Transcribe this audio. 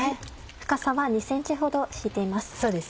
深さは２ｃｍほど敷いています。